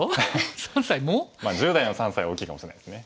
まあ１０代の３歳は大きいかもしれないですね